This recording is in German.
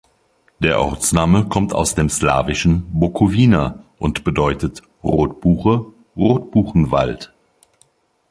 Der Ortsname kommt aus dem slawischen "Bukowina" und bedeutet Rotbuche, Rotbuchenwald.